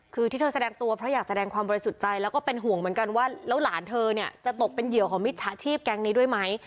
คือที่เธอแสดงตัวเพราะอยากแสดงความบริสุทธิ์ใจแล้วก็เป็นห่วงเหมือนกันว่าแล้วหลานเธอเนี่ยจะตกเป็นเหยื่อของมิจฉาชีพแก๊งนี้ด้วยไหม